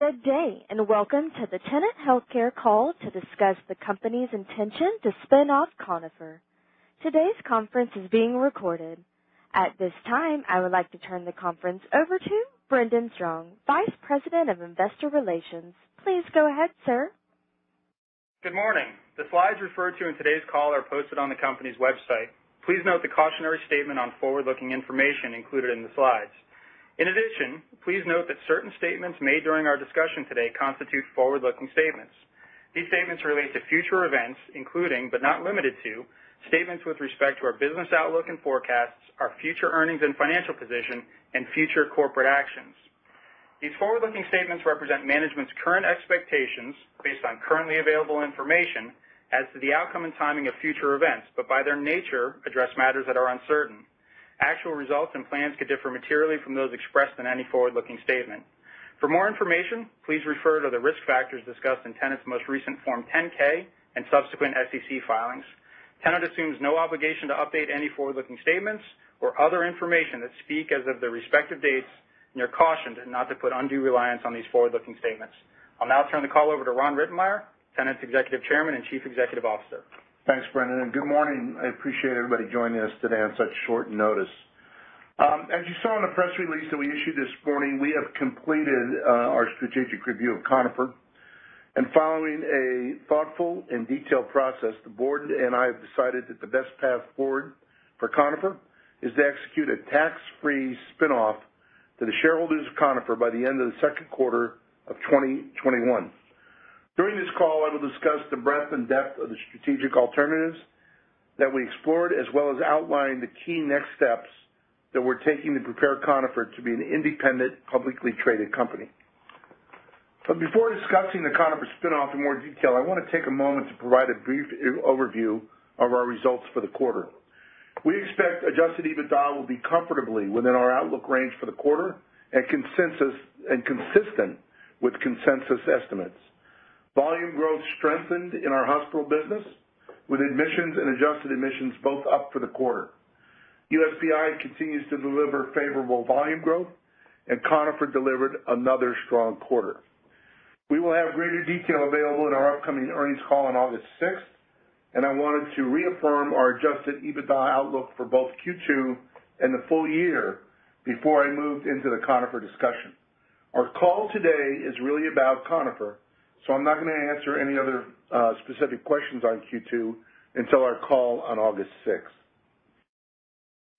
Good day, and welcome to the Tenet Healthcare call to discuss the company's intention to spin off Conifer. Today's conference is being recorded. At this time, I would like to turn the conference over to Brendan Strong, Vice President of Investor Relations. Please go ahead, sir. Good morning. The slides referred to in today's call are posted on the company's website. Please note the cautionary statement on forward-looking information included in the slides. In addition, please note that certain statements made during our discussion today constitute forward-looking statements. These statements relate to future events, including, but not limited to, statements with respect to our business outlook and forecasts, our future earnings and financial position, and future corporate actions. These forward-looking statements represent management's current expectations based on currently available information as to the outcome and timing of future events, but by their nature, address matters that are uncertain. Actual results and plans could differ materially from those expressed in any forward-looking statement. For more information, please refer to the risk factors discussed in Tenet's most recent Form 10-K and subsequent SEC filings. Tenet assumes no obligation to update any forward-looking statements or other information that speak as of their respective dates, and you're cautioned not to put undue reliance on these forward-looking statements. I'll now turn the call over to Ron Rittenmeyer, Tenet's Executive Chairman and Chief Executive Officer. Thanks, Brendan, and good morning. I appreciate everybody joining us today on such short notice. As you saw in the press release that we issued this morning, we have completed our strategic review of Conifer. Following a thoughtful and detailed process, the board and I have decided that the best path forward for Conifer is to execute a tax-free spin-off to the shareholders of Conifer by the end of the second quarter of 2021. During this call, I will discuss the breadth and depth of the strategic alternatives that we explored, as well as outline the key next steps that we're taking to prepare Conifer to be an independent, publicly traded company. Before discussing the Conifer spin-off in more detail, I want to take a moment to provide a brief overview of our results for the quarter. We expect adjusted EBITDA will be comfortably within our outlook range for the quarter and consistent with consensus estimates. Volume growth strengthened in our hospital business, with admissions and adjusted admissions both up for the quarter. USPI continues to deliver favorable volume growth, and Conifer delivered another strong quarter. We will have greater detail available in our upcoming earnings call on August sixth, and I wanted to reaffirm our adjusted EBITDA outlook for both Q2 and the full year before I moved into the Conifer discussion. Our call today is really about Conifer, I'm not going to answer any other specific questions on Q2 until our call on August sixth.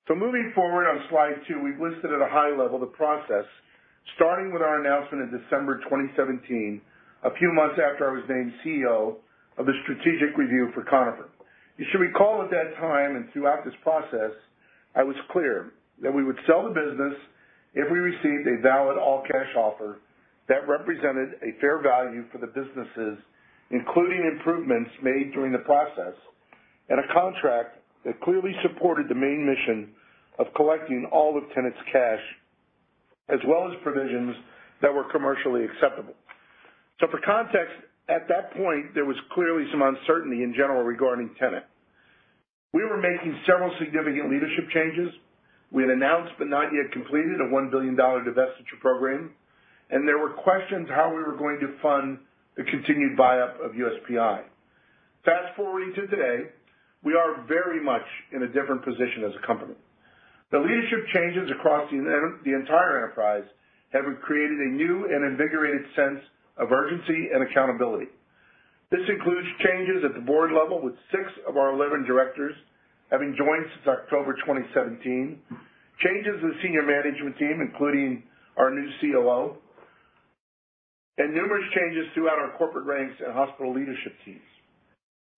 Moving forward on slide two, we've listed at a high level the process, starting with our announcement in December 2017, a few months after I was named CEO of the strategic review for Conifer. You should recall at that time, and throughout this process, I was clear that we would sell the business if we received a valid all-cash offer that represented a fair value for the businesses, including improvements made during the process, and a contract that clearly supported the main mission of collecting all of Tenet's cash, as well as provisions that were commercially acceptable. For context, at that point, there was clearly some uncertainty in general regarding Tenet. We were making several significant leadership changes. We had announced, but not yet completed, a $1 billion divestiture program. There were questions how we were going to fund the continued buyup of USPI. Fast-forwarding to today, we are very much in a different position as a company. The leadership changes across the entire enterprise have created a new and invigorated sense of urgency and accountability. This includes changes at the board level, with six of our 11 directors having joined since October 2017, changes in senior management team, including our new COO, and numerous changes throughout our corporate ranks and hospital leadership teams.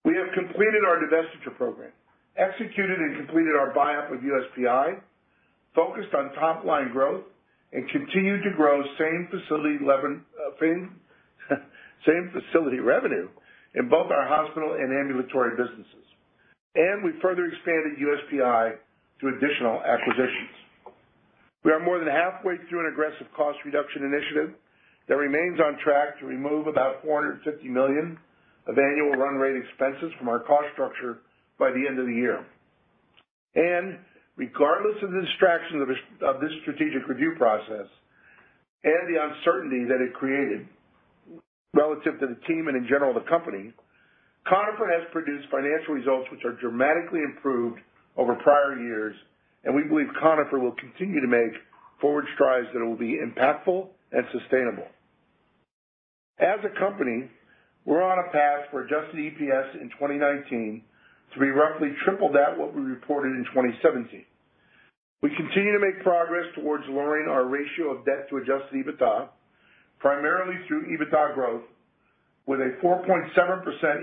We have completed our divestiture program, executed and completed our buyup of USPI, focused on top-line growth, and continued to grow same facility revenue in both our hospital and ambulatory businesses. We further expanded USPI through additional acquisitions. We are more than halfway through an aggressive cost reduction initiative that remains on track to remove about $450 million of annual run rate expenses from our cost structure by the end of the year. Regardless of the distraction of this strategic review process and the uncertainty that it created relative to the team and in general the company, Conifer has produced financial results which are dramatically improved over prior years, and we believe Conifer will continue to make forward strides that will be impactful and sustainable. As a company, we're on a path for adjusted EPS in 2019 to be roughly triple that what we reported in 2017. We continue to make progress towards lowering our ratio of debt to adjusted EBITDA, primarily through EBITDA growth, with a 4.7%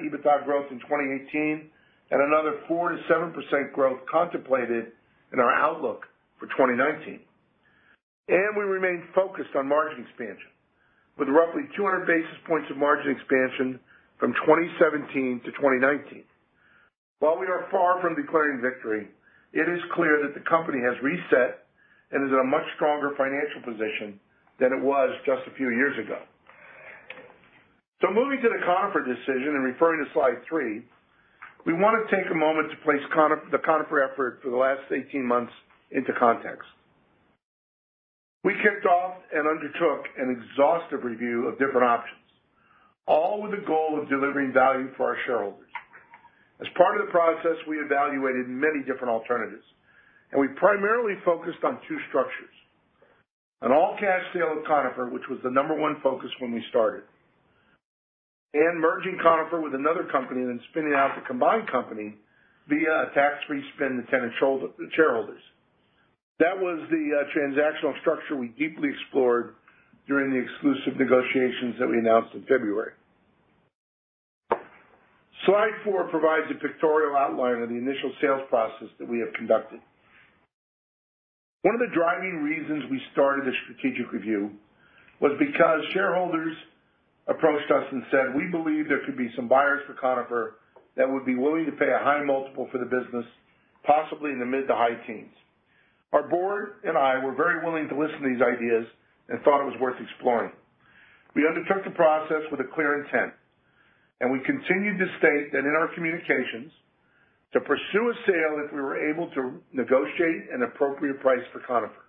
EBITDA growth in 2018 and another 4%-7% growth contemplated in our outlook for 2019. We remain focused on margin expansion with roughly 200 basis points of margin expansion from 2017 to 2019. While we are far from declaring victory, it is clear that the company has reset and is in a much stronger financial position than it was just a few years ago. Moving to the Conifer decision and referring to slide three, we want to take a moment to place the Conifer effort for the last 18 months into context. We kicked off and undertook an exhaustive review of different options, all with the goal of delivering value for our shareholders. As part of the process, we evaluated many different alternatives, and we primarily focused on two structures. An all-cash sale of Conifer, which was the number one focus when we started. Merging Conifer with another company and then spinning out the combined company via a tax-free spin to Tenet shareholders. That was the transactional structure we deeply explored during the exclusive negotiations that we announced in February. Slide four provides a pictorial outline of the initial sales process that we have conducted. One of the driving reasons we started this strategic review was because shareholders approached us and said, "We believe there could be some buyers for Conifer that would be willing to pay a high multiple for the business, possibly in the mid to high teens." Our board and I were very willing to listen to these ideas and thought it was worth exploring. We undertook the process with a clear intent, and we continued to state that in our communications to pursue a sale if we were able to negotiate an appropriate price for Conifer.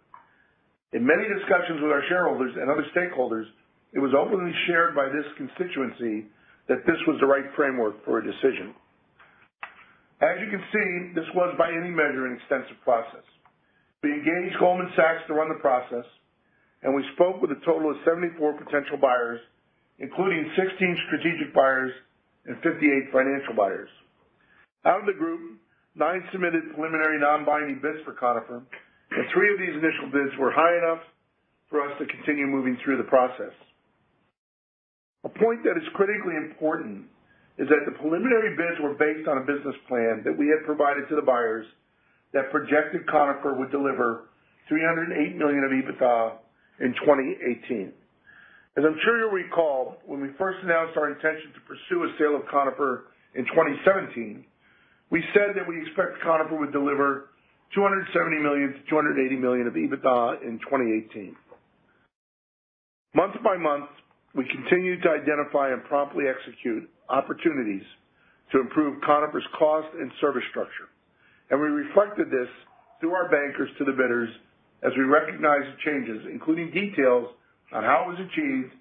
In many discussions with our shareholders and other stakeholders, it was openly shared by this constituency that this was the right framework for a decision. As you can see, this was by any measure an extensive process. We engaged Goldman Sachs to run the process, and we spoke with a total of 74 potential buyers, including 16 strategic buyers and 58 financial buyers. Out of the group, nine submitted preliminary non-binding bids for Conifer, and three of these initial bids were high enough for us to continue moving through the process. A point that is critically important is that the preliminary bids were based on a business plan that we had provided to the buyers that projected Conifer would deliver $308 million of EBITDA in 2018. As I'm sure you'll recall, when we first announced our intention to pursue a sale of Conifer in 2017, we said that we expect Conifer would deliver $270 million to $280 million of EBITDA in 2018. Month by month, we continued to identify and promptly execute opportunities to improve Conifer's cost and service structure. We reflected this through our bankers to the bidders as we recognized the changes, including details on how it was achieved,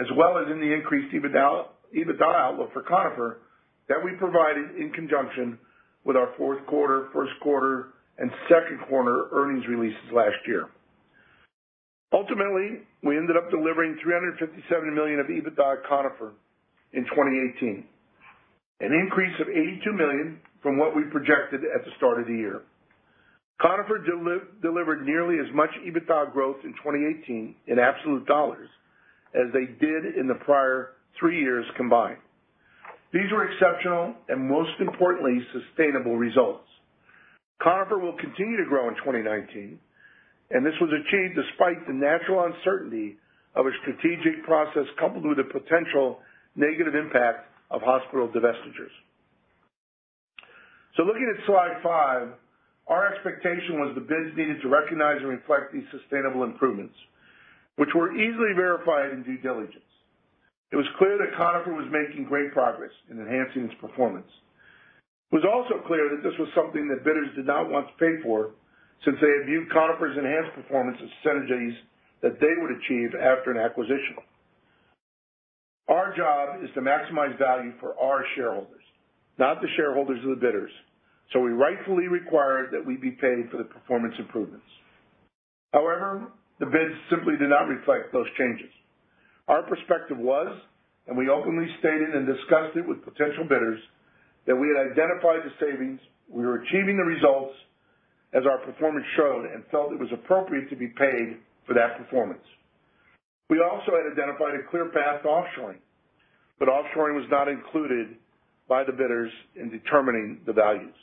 as well as in the increased EBITDA outlook for Conifer that we provided in conjunction with our fourth quarter, first quarter, and second quarter earnings releases last year. Ultimately, we ended up delivering $357 million of EBITDA Conifer in 2018, an increase of $82 million from what we projected at the start of the year. Conifer delivered nearly as much EBITDA growth in 2018 in absolute dollars as they did in the prior three years combined. These were exceptional and most importantly, sustainable results. Conifer will continue to grow in 2019, and this was achieved despite the natural uncertainty of a strategic process coupled with the potential negative impact of hospital divestitures. Looking at slide five, our expectation was the bids needed to recognize and reflect these sustainable improvements, which were easily verified in due diligence. It was clear that Conifer was making great progress in enhancing its performance. It was also clear that this was something that bidders did not want to pay for, since they had viewed Conifer's enhanced performance as synergies that they would achieve after an acquisition. Our job is to maximize value for our shareholders, not the shareholders of the bidders, so we rightfully required that we be paid for the performance improvements. However, the bids simply did not reflect those changes. Our perspective was, and we openly stated and discussed it with potential bidders, that we had identified the savings, we were achieving the results as our performance showed and felt it was appropriate to be paid for that performance. We also had identified a clear path to offshoring, but offshoring was not included by the bidders in determining the values.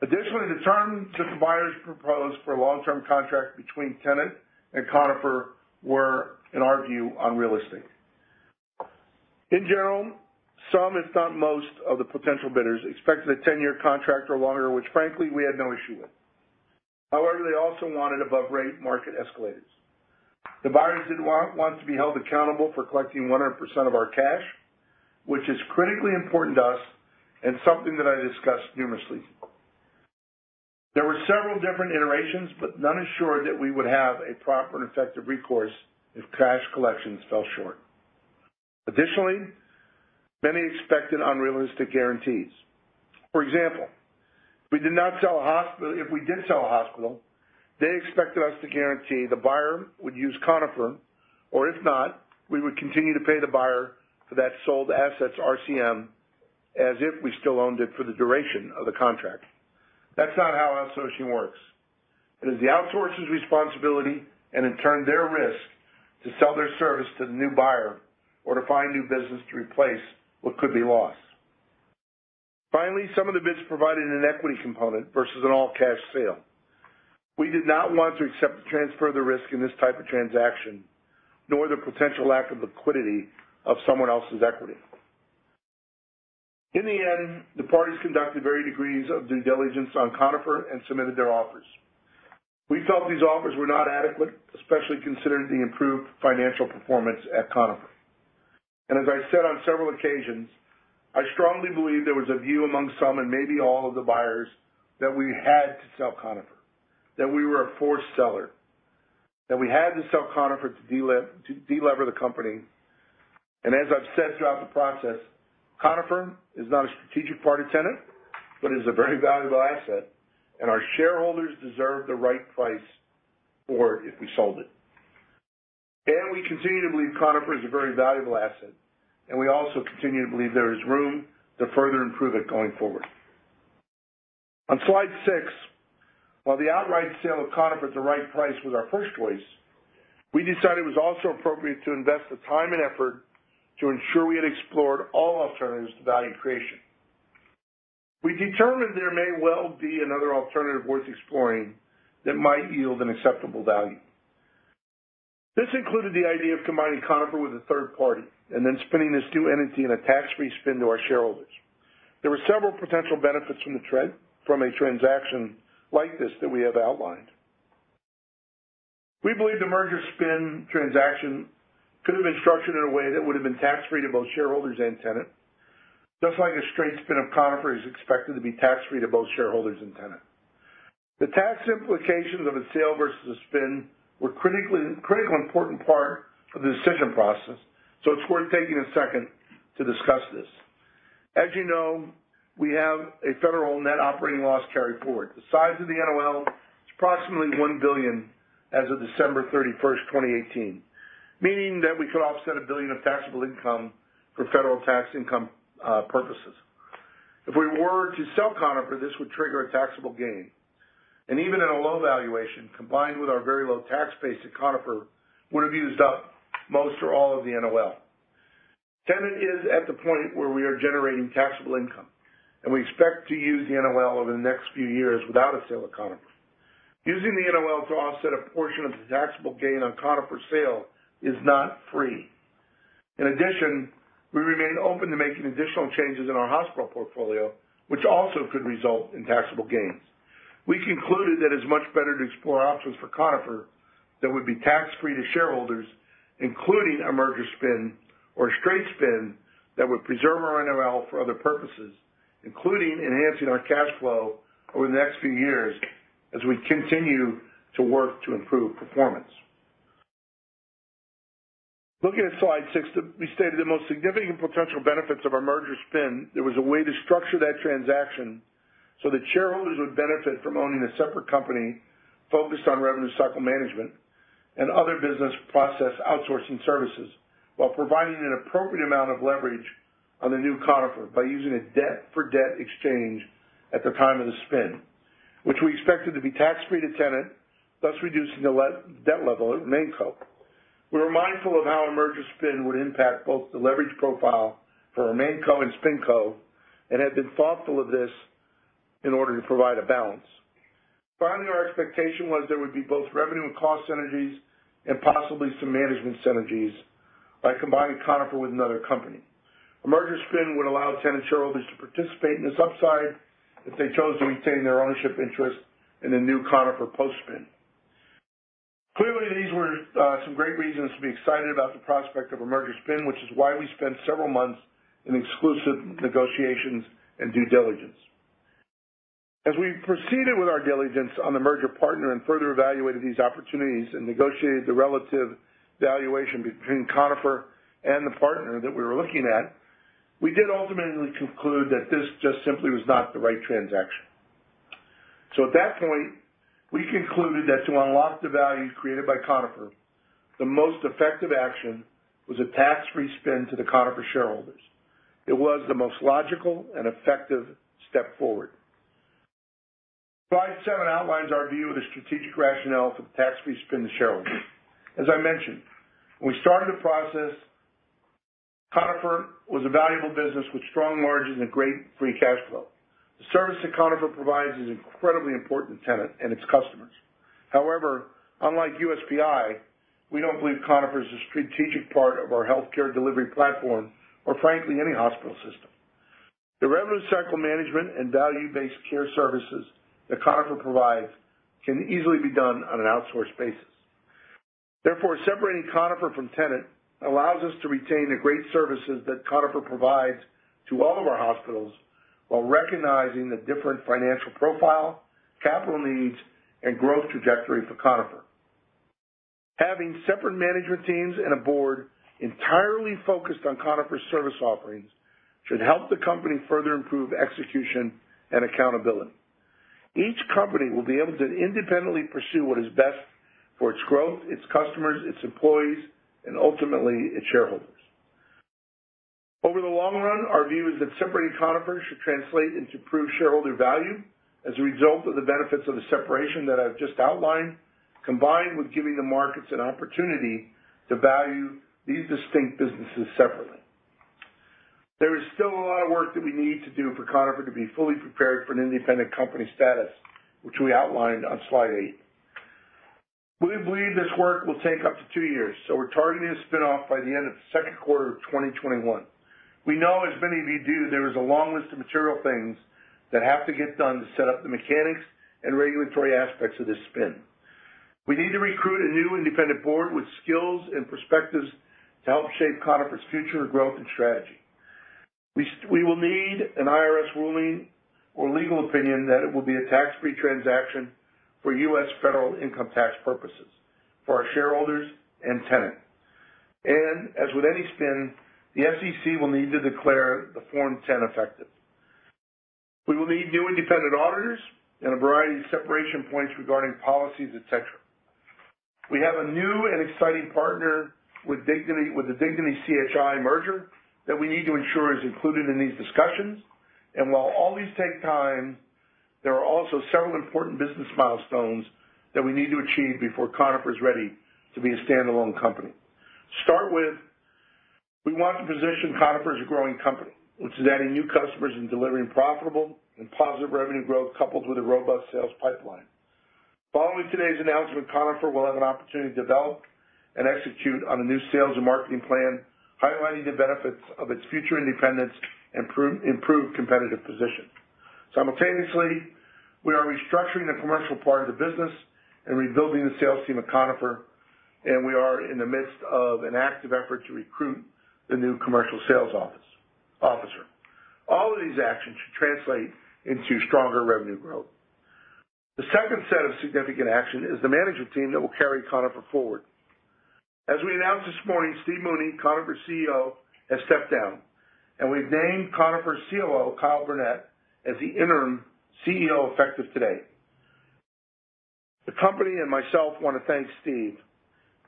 Additionally, the terms that the buyers proposed for a long-term contract between Tenet and Conifer were, in our view, unrealistic. In general, some if not most of the potential bidders expected a 10-year contract or longer, which frankly, we had no issue with. However, they also wanted above-rate market escalators. The buyers didn't want to be held accountable for collecting 100% of our cash, which is critically important to us and something that I discussed numerously. There were several different iterations, but none assured that we would have a proper and effective recourse if cash collections fell short. Additionally, many expected unrealistic guarantees. For example, if we did sell a hospital, they expected us to guarantee the buyer would use Conifer, or if not, we would continue to pay the buyer for that sold asset's RCM as if we still owned it for the duration of the contract. That's not how outsourcing works. It is the outsourcer's responsibility, and in turn their risk, to sell their service to the new buyer or to find new business to replace what could be lost. Some of the bids provided an equity component versus an all-cash sale. We did not want to accept the transfer of the risk in this type of transaction, nor the potential lack of liquidity of someone else's equity. The parties conducted varied degrees of due diligence on Conifer and submitted their offers. We felt these offers were not adequate, especially considering the improved financial performance at Conifer. As I said on several occasions, I strongly believe there was a view among some and maybe all of the buyers that we had to sell Conifer, that we were a forced seller, that we had to sell Conifer to delever the company. As I've said throughout the process, Conifer is not a strategic part of Tenet, but is a very valuable asset, and our shareholders deserve the right price for it if we sold it. We continue to believe Conifer is a very valuable asset, and we also continue to believe there is room to further improve it going forward. On slide six, while the outright sale of Conifer at the right price was our first choice, we decided it was also appropriate to invest the time and effort to ensure we had explored all alternatives to value creation. We determined there may well be another alternative worth exploring that might yield an acceptable value. This included the idea of combining Conifer with a third party and then spinning this new entity in a tax-free spin to our shareholders. There were several potential benefits from a transaction like this that we have outlined. We believe the merger spin transaction could have been structured in a way that would have been tax-free to both shareholders and Tenet, just like a straight spin of Conifer is expected to be tax-free to both shareholders and Tenet. The tax implications of a sale versus a spin were a critical important part of the decision process, so it's worth taking a second to discuss this. As you know, we have a federal net operating loss carry-forward. The size of the NOL is approximately $1 billion as of December 31st, 2018, meaning that we could offset $1 billion of taxable income for federal tax income purposes. If we were to sell Conifer, this would trigger a taxable gain. Even at a low valuation, combined with our very low tax base at Conifer, would have used up most or all of the NOL. Tenet is at the point where we are generating taxable income, and we expect to use the NOL over the next few years without a sale of Conifer. Using the NOL to offset a portion of the taxable gain on Conifer sale is not free. In addition, we remain open to making additional changes in our hospital portfolio, which also could result in taxable gains. We concluded that it's much better to explore options for Conifer that would be tax-free to shareholders, including a merger spin or a straight spin that would preserve our NOL for other purposes, including enhancing our cash flow over the next few years as we continue to work to improve performance. Looking at slide six, we stated the most significant potential benefits of our merger spin. There was a way to structure that transaction so that shareholders would benefit from owning a separate company focused on revenue cycle management and other business process outsourcing services while providing an appropriate amount of leverage on the new Conifer by using a debt for debt exchange at the time of the spin, which we expected to be tax-free to Tenet, thus reducing the debt level at RemainCo. We were mindful of how a merger spin would impact both the leverage profile for our RemainCo and SpinCo and had been thoughtful of this in order to provide a balance. Finally, our expectation was there would be both revenue and cost synergies and possibly some management synergies by combining Conifer with another company. A merger spin would allow Tenet shareholders to participate in this upside if they chose to maintain their ownership interest in the new Conifer post-spin. Clearly, these were some great reasons to be excited about the prospect of a merger spin, which is why we spent several months in exclusive negotiations and due diligence. As we proceeded with our diligence on the merger partner and further evaluated these opportunities and negotiated the relative valuation between Conifer and the partner that we were looking at, we did ultimately conclude that this just simply was not the right transaction. At that point, we concluded that to unlock the value created by Conifer, the most effective action was a tax-free spin to the Conifer shareholders. It was the most logical and effective step forward. Slide seven outlines our view of the strategic rationale for the tax-free spin to shareholders. As I mentioned, when we started the process, Conifer was a valuable business with strong margins and great free cash flow. The service that Conifer provides is incredibly important to Tenet and its customers. However, unlike USPI, we don't believe Conifer is a strategic part of our healthcare delivery platform or frankly, any hospital system. The revenue cycle management and value-based care services that Conifer provides can easily be done on an outsourced basis. Therefore, separating Conifer from Tenet allows us to retain the great services that Conifer provides to all of our hospitals while recognizing the different financial profile, capital needs, and growth trajectory for Conifer. Having separate management teams and a board entirely focused on Conifer's service offerings should help the company further improve execution and accountability. Each company will be able to independently pursue what is best for its growth, its customers, its employees, and ultimately, its shareholders. Over the long run, our view is that separating Conifer should translate into improved shareholder value as a result of the benefits of the separation that I've just outlined, combined with giving the markets an opportunity to value these distinct businesses separately. There is still a lot of work that we need to do for Conifer to be fully prepared for an independent company status, which we outlined on slide eight. We believe this work will take up to two years, we're targeting a spin-off by the end of the second quarter of 2021. We know, as many of you do, there is a long list of material things that have to get done to set up the mechanics and regulatory aspects of this spin. We need to recruit a new independent board with skills and perspectives to help shape Conifer's future growth and strategy. We will need an IRS ruling or legal opinion that it will be a tax-free transaction for U.S. federal income tax purposes for our shareholders and Tenet. As with any spin, the SEC will need to declare the Form 10 effective. We will need new independent auditors and a variety of separation points regarding policies, et cetera. We have a new and exciting partner with the Dignity/CHI merger that we need to ensure is included in these discussions. While all these take time, there are also several important business milestones that we need to achieve before Conifer is ready to be a standalone company. To start with, we want to position Conifer as a growing company, which is adding new customers and delivering profitable and positive revenue growth coupled with a robust sales pipeline. Following today's announcement, Conifer will have an opportunity to develop and execute on a new sales and marketing plan, highlighting the benefits of its future independence and improved competitive position. Simultaneously, we are restructuring the commercial part of the business and rebuilding the sales team at Conifer. We are in the midst of an active effort to recruit the new commercial sales officer. All of these actions should translate into stronger revenue growth. The second set of significant action is the management team that will carry Conifer forward. As we announced this morning, Steve Mooney, Conifer's CEO, has stepped down. We've named Conifer's COO, Kyle Burtnett, as the interim CEO effective today. The company and myself want to thank Steve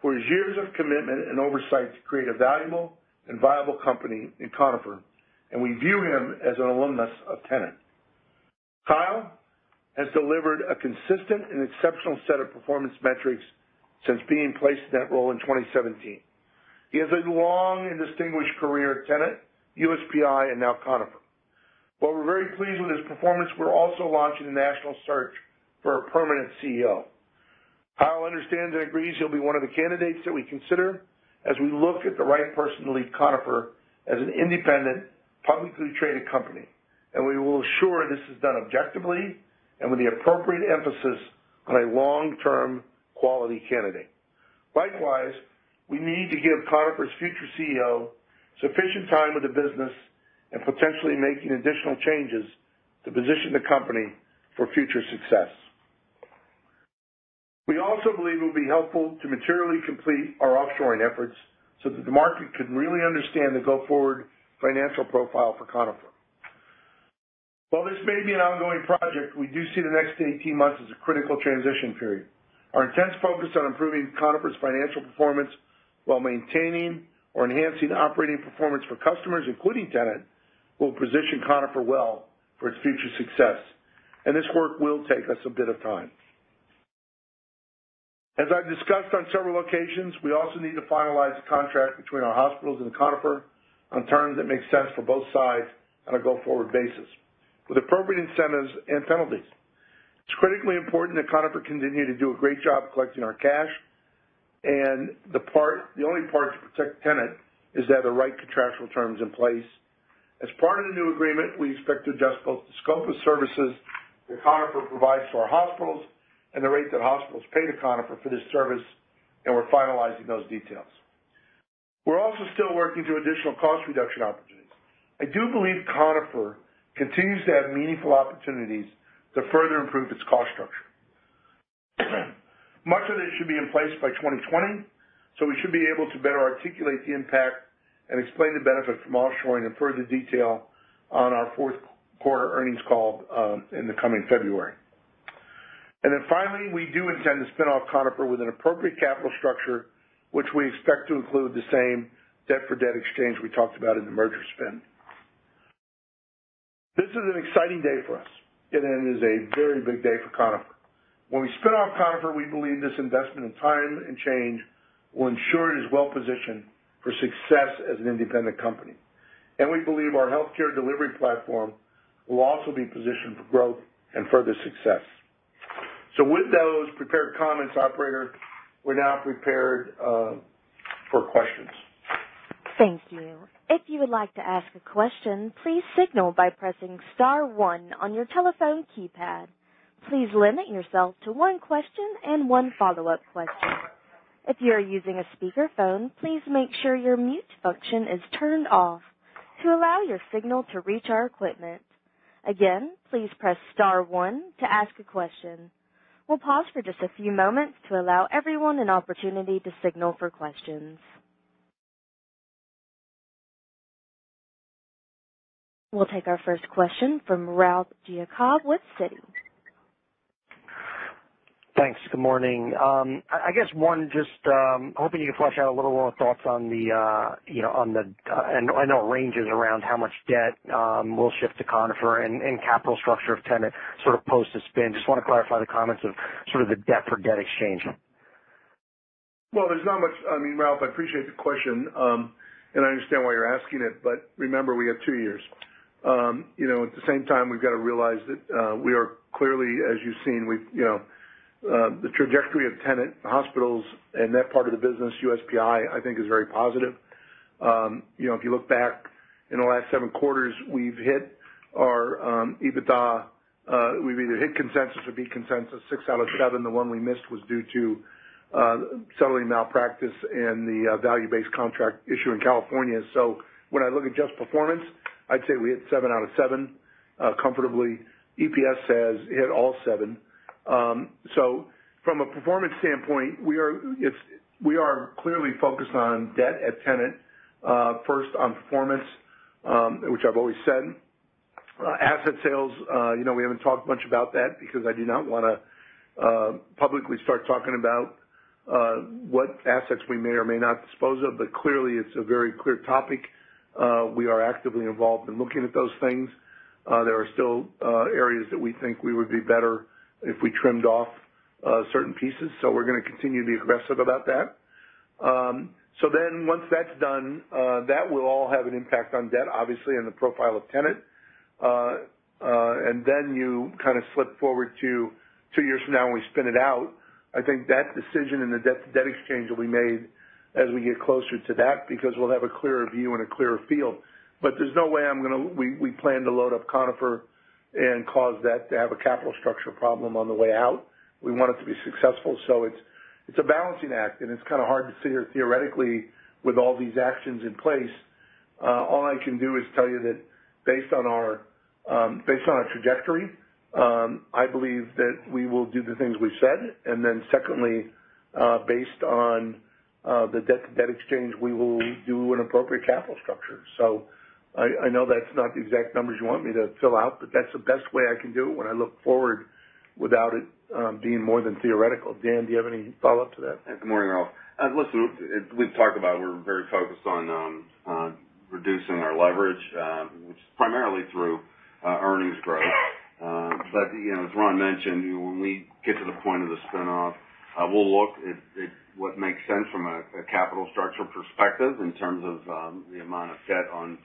for his years of commitment and oversight to create a valuable and viable company in Conifer. We view him as an alumnus of Tenet. Kyle has delivered a consistent and exceptional set of performance metrics since being placed in that role in 2017. He has a long and distinguished career at Tenet, USPI, and now Conifer. While we're very pleased with his performance, we're also launching a national search for a permanent CEO. Kyle understands and agrees he'll be one of the candidates that we consider as we look at the right person to lead Conifer as an independent, publicly traded company. We will assure this is done objectively and with the appropriate emphasis on a long-term quality candidate. Likewise, we need to give Conifer's future CEO sufficient time with the business and potentially making additional changes to position the company for future success. We also believe it will be helpful to materially complete our offshoring efforts so that the market can really understand the go-forward financial profile for Conifer. While this may be an ongoing project, we do see the next 18 months as a critical transition period. Our intense focus on improving Conifer's financial performance while maintaining or enhancing operating performance for customers, including Tenet, will position Conifer well for its future success. This work will take us a bit of time. As I've discussed on several occasions, we also need to finalize the contract between our hospitals and Conifer on terms that make sense for both sides on a go-forward basis with appropriate incentives and penalties. It's critically important that Conifer continue to do a great job collecting our cash. The only part to protect Tenet is to have the right contractual terms in place. As part of the new agreement, we expect to adjust both the scope of services that Conifer provides to our hospitals and the rates that hospitals pay to Conifer for this service. We're finalizing those details. We're also still working through additional cost reduction opportunities. I do believe Conifer continues to have meaningful opportunities to further improve its cost structure. Much of it should be in place by 2020, so we should be able to better articulate the impact and explain the benefit from offshoring in further detail on our fourth quarter earnings call in the coming February. Finally, we do intend to spin off Conifer with an appropriate capital structure, which we expect to include the same debt for debt exchange we talked about in the merger spin. This is an exciting day for us, and it is a very big day for Conifer. When we spin off Conifer, we believe this investment in time and change will ensure it is well positioned for success as an independent company. We believe our healthcare delivery platform will also be positioned for growth and further success. With those prepared comments, operator, we're now prepared for questions. Thank you. If you would like to ask a question, please signal by pressing *1 on your telephone keypad. Please limit yourself to one question and one follow-up question. If you are using a speakerphone, please make sure your mute function is turned off to allow your signal to reach our equipment. Again, please press *1 to ask a question. We'll pause for just a few moments to allow everyone an opportunity to signal for questions. We'll take our first question from Ralph Giacobbe with Citi. Thanks. Good morning. I guess one, just hoping you can flesh out a little more thoughts on the, I know it ranges around how much debt will shift to Conifer and capital structure of Tenet sort of post the spin. Just want to clarify the comments of sort of the debt for debt exchange. Well, there's not much. Ralph, I appreciate the question, and I understand why you're asking it, but remember, we have two years. At the same time, we've got to realize that we are clearly, as you've seen, the trajectory of Tenet hospitals and that part of the business, USPI, I think is very positive. If you look back in the last seven quarters, we've either hit consensus or beat consensus six out of seven. The one we missed was due to settling malpractice and the value-based contract issue in California. When I look at just performance, I'd say we hit seven out of seven comfortably. EPS says it hit all seven. From a performance standpoint, we are clearly focused on debt at Tenet. First, on performance, which I've always said. Asset sales, we haven't talked much about that because I do not want to publicly start talking about what assets we may or may not dispose of. Clearly, it's a very clear topic. We are actively involved in looking at those things. There are still areas that we think we would be better if we trimmed off certain pieces, we're going to continue to be aggressive about that. Once that's done, that will all have an impact on debt, obviously, and the profile of Tenet. You kind of slip forward to two years from now when we spin it out. I think that decision and the debt-to-debt exchange will be made as we get closer to that because we'll have a clearer view and a clearer field. There's no way we plan to load up Conifer and cause that to have a capital structure problem on the way out. We want it to be successful. It's a balancing act, and it's kind of hard to sit here theoretically with all these actions in place. All I can do is tell you that based on our trajectory, I believe that we will do the things we've said. Secondly, based on the debt-to-debt exchange, we will do an appropriate capital structure. I know that's not the exact numbers you want me to fill out, but that's the best way I can do it when I look forward without it being more than theoretical. Dan, do you have any follow-up to that? Good morning, Ralph. Listen, we're very focused on reducing our leverage, which is primarily through earnings growth. As Ron mentioned, when we get to the point of the spinoff, we'll look at what makes sense from a capital structure perspective in terms of the amount of debt on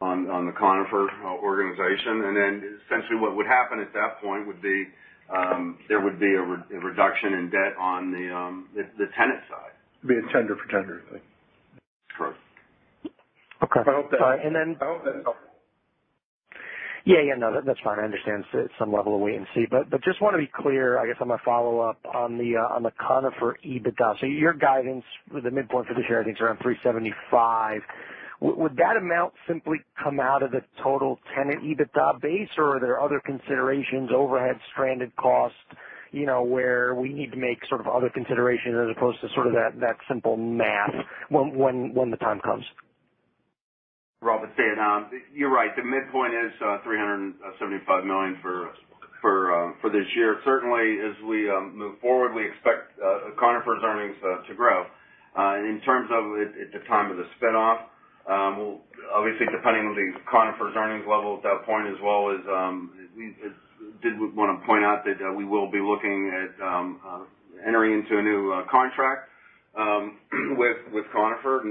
the Conifer organization. Then essentially what would happen at that point would be there would be a reduction in debt on the Tenet side. It'd be a tender for tender thing. Correct. Okay. I hope that's helpful. No, that's fine. I understand it's some level of wait and see. Just want to be clear, I guess I'm going to follow up on the Conifer EBITDA. Your guidance with the midpoint for this year, I think is around $375. Would that amount simply come out of the total Tenet EBITDA base, or are there other considerations, overhead, stranded costs, where we need to make sort of other considerations as opposed to sort of that simple math when the time comes? Ralph, it's Dan. You're right. The midpoint is $375 million for this year. Certainly, as we move forward, we expect Conifer's earnings to grow. In terms of at the time of the spinoff, obviously depending on Conifer's earnings level at that point as well as, I did want to point out that we will be looking at entering into a new contract with Conifer.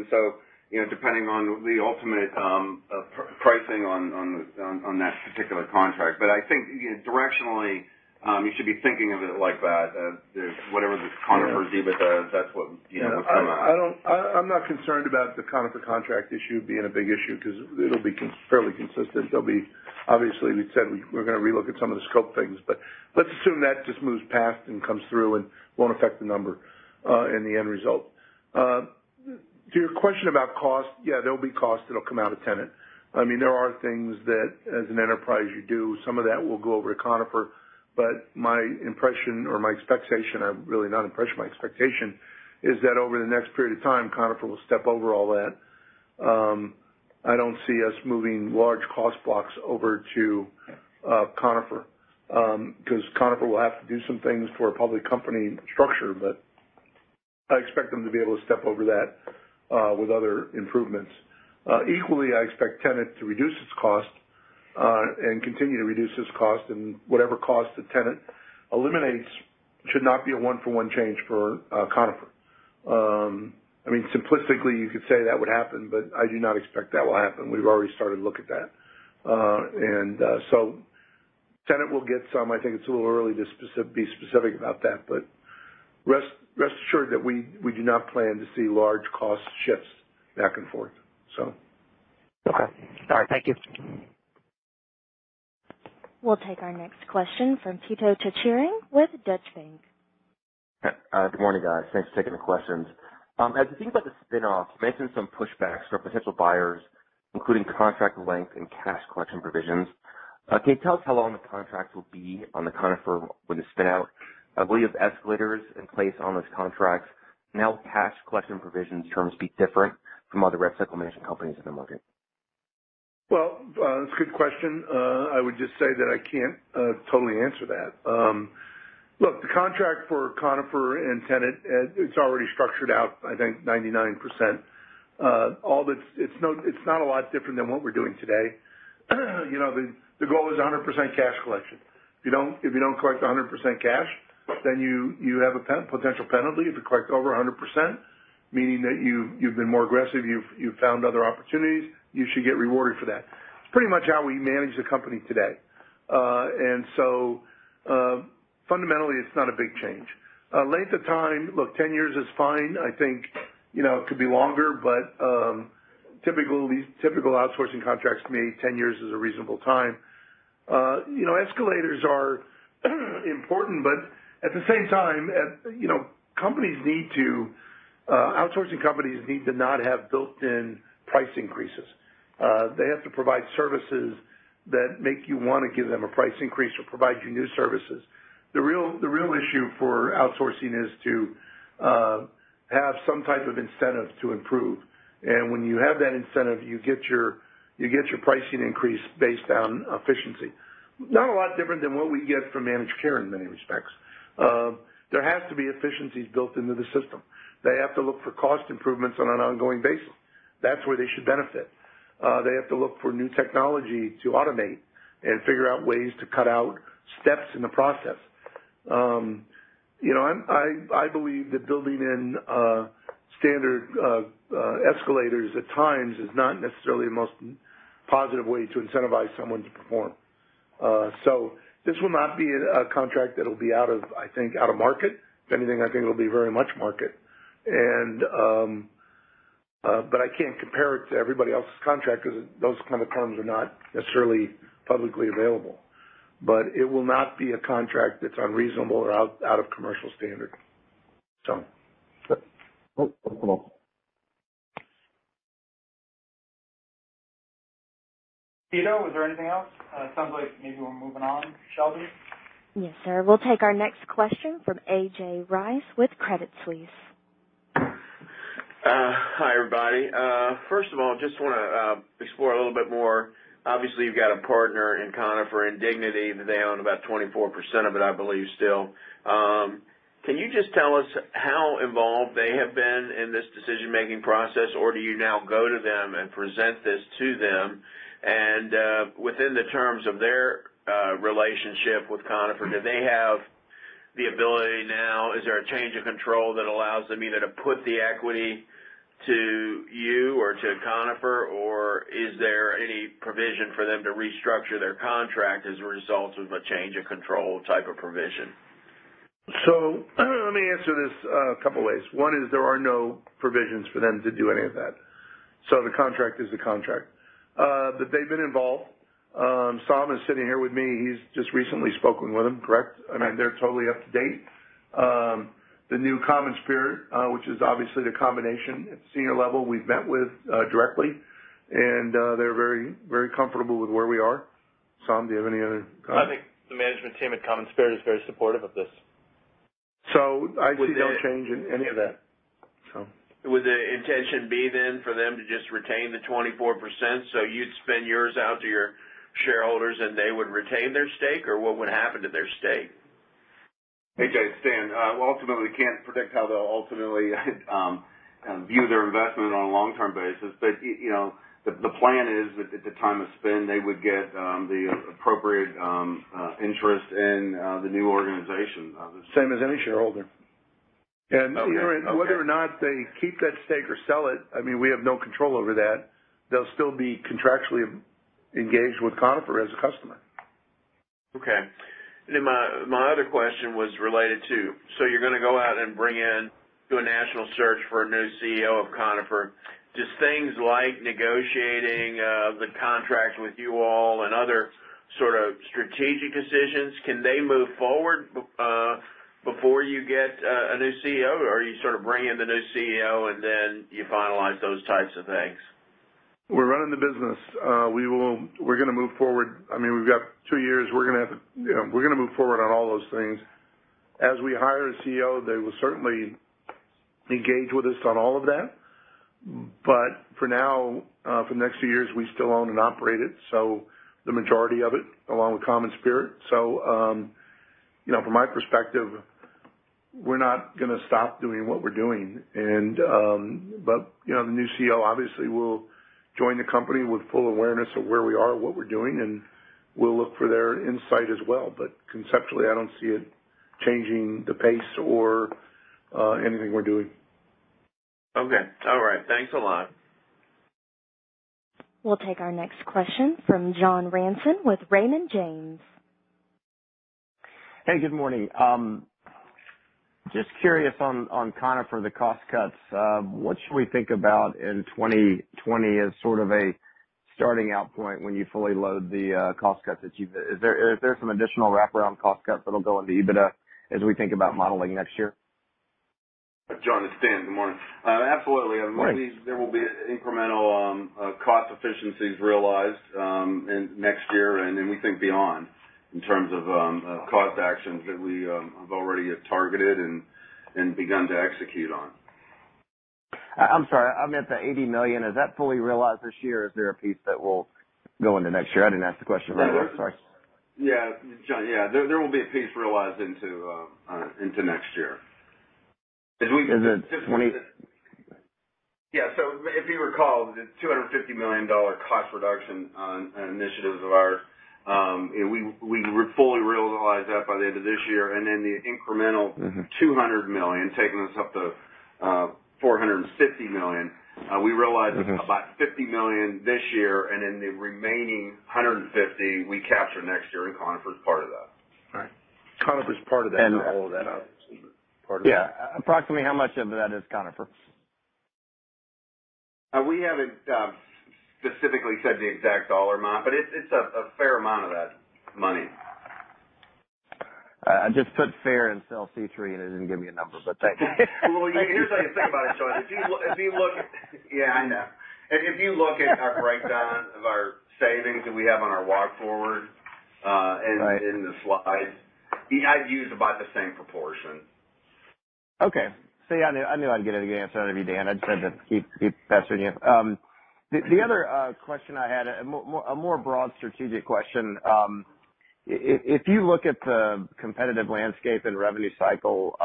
Depending on the ultimate pricing on that particular contract. I think directionally, you should be thinking of it like that, as whatever the Conifer's EBITDA is, that's what's coming out. I'm not concerned about the Conifer contract issue being a big issue because it'll be fairly consistent. Obviously, we said we're going to relook at some of the scope things, but let's assume that just moves past and comes through and won't affect the number in the end result. To your question about cost, yeah, there'll be cost that'll come out of Tenet. There are things that as an enterprise you do, some of that will go over to Conifer, but my impression or my expectation, really not impression, my expectation is that over the next period of time, Conifer will step over all that. I don't see us moving large cost blocks over to Conifer, because Conifer will have to do some things for a public company structure, but I expect them to be able to step over that with other improvements. Equally, I expect Tenet to reduce its cost and continue to reduce its cost, and whatever cost that Tenet eliminates should not be a one-for-one change for Conifer. Simplistically, you could say that would happen, but I do not expect that will happen. We've already started to look at that. Tenet will get some. I think it's a little early to be specific about that, but rest assured that we do not plan to see large cost shifts back and forth. Okay. All right. Thank you. We'll take our next question from Pito Chickering with Deutsche Bank. Good morning, guys. Thanks for taking the questions. As we think about the spinoff, you mentioned some pushbacks from potential buyers, including contract length and cash collection provisions. Can you tell us how long the contracts will be on the Conifer with the spin out? Will you have escalators in place on those contracts? How will cash collection provisions terms be different from other rev cycle management companies in the market? Well, that's a good question. I would just say that I can't totally answer that. Look, the contract for Conifer and Tenet, it's already structured out, I think 99%. It's not a lot different than what we're doing today. The goal is 100% cash collection. If you don't collect 100% cash, then you have a potential penalty. If you collect over 100%, meaning that you've been more aggressive, you've found other opportunities, you should get rewarded for that. It's pretty much how we manage the company today. Fundamentally, it's not a big change. Length of time, look, 10 years is fine. I think it could be longer, but typical outsourcing contracts, to me, 10 years is a reasonable time. Escalators are important, but at the same time, outsourcing companies need to not have built-in price increases. They have to provide services that make you want to give them a price increase or provide you new services. The real issue for outsourcing is to have some type of incentive to improve. When you have that incentive, you get your pricing increase based on efficiency. Not a lot different than what we get from managed care in many respects. There has to be efficiencies built into the system. They have to look for cost improvements on an ongoing basis. That's where they should benefit. They have to look for new technology to automate and figure out ways to cut out steps in the process. I believe that building in standard escalators at times is not necessarily the most positive way to incentivize someone to perform. This will not be a contract that'll be out of market. If anything, I think it'll be very much market. I can't compare it to everybody else's contract because those kind of terms are not necessarily publicly available. It will not be a contract that's unreasonable or out of commercial standard. Okay. Thanks a lot. Pito, was there anything else? Sounds like maybe we're moving on. Shelby? Yes, sir. We'll take our next question from A.J. Rice with Credit Suisse. Hi, everybody. First of all, just want to explore a little bit more. Obviously, you've got a partner in Conifer, in Dignity. They own about 24% of it, I believe, still. Can you just tell us how involved they have been in this decision-making process? Do you now go to them and present this to them? Within the terms of their relationship with Conifer, do they have the ability now, is there a change of control that allows them either to put the equity to you or to Conifer, or is there any provision for them to restructure their contract as a result of a change of control type of provision? Let me answer this a couple ways. One is there are no provisions for them to do any of that. The contract is the contract. They've been involved. Som is sitting here with me. He's just recently spoken with them. Correct? I mean, they're totally up to date. The new CommonSpirit, which is obviously the combination at senior level, we've met with directly, and they're very comfortable with where we are. Som, do you have any other comments? I think the management team at CommonSpirit is very supportive of this. I see no change in any of that. Would the intention be then for them to just retain the 24%, so you'd spin yours out to your shareholders, and they would retain their stake? What would happen to their stake? A.J., it's Dan. Ultimately, can't predict how they'll ultimately view their investment on a long-term basis. The plan is that at the time of spin, they would get the appropriate interest in the new organization. Same as any shareholder. Okay. Whether or not they keep that stake or sell it, we have no control over that. They'll still be contractually engaged with Conifer as a customer. Okay. My other question was related to, you're going to go out and do a national search for a new CEO of Conifer. Does things like negotiating the contract with you all and other sort of strategic decisions, can they move forward before you get a new CEO? Are you sort of bringing the new CEO and then you finalize those types of things? We're running the business. We're going to move forward. We've got two years. We're going to move forward on all those things. As we hire a CEO, they will certainly engage with us on all of that. For now, for the next few years, we still own and operate it, so the majority of it, along with CommonSpirit. From my perspective, we're not going to stop doing what we're doing. The new CEO obviously will join the company with full awareness of where we are, what we're doing, and we'll look for their insight as well. Conceptually, I don't see it changing the pace or anything we're doing. Okay. All right. Thanks a lot. We'll take our next question from John Ransom with Raymond James. Hey, good morning. Just curious on Conifer, the cost cuts. What should we think about in 2020 as sort of a starting out point when you fully load the cost cuts? Is there some additional wraparound cost cuts that'll go into EBITDA as we think about modeling next year? John, it's Dan. Good morning. Absolutely. Great. There will be incremental cost efficiencies realized next year, and then we think beyond in terms of cost actions that we have already targeted and begun to execute on. I'm sorry. I meant the $80 million. Is that fully realized this year, or is there a piece that will go into next year? I didn't ask the question right away. Sorry. Yeah. John, yeah. There will be a piece realized into next year. Is it 20- Yeah. If you recall, the $250 million cost reduction initiatives of ours, we fully realized that by the end of this year. $200 million, taking us up to $450 million. about $50 million this year, and then the remaining $150 we capture next year, and Conifer's part of that. All right. Conifer's part of that- And- to hold that up. Part of that. Yeah. Approximately how much of that is Conifer? We haven't specifically said the exact dollar amount, but it's a fair amount of that money. I just put "fair" in Sellside Tree, and it didn't give me a number, but thank you. Well, here's how you think about it, John. Yeah, I know. If you look at our breakdown of our savings that we have on our walk forward. Right in the slides, the idea is about the same proportion. Okay. See, I knew I'd get an answer out of you, Dan. I just had to keep pestering you. The other question I had, a more broad strategic question. If you look at the competitive landscape and revenue cycle,